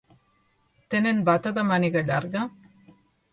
Tenen bata de màniga llarga?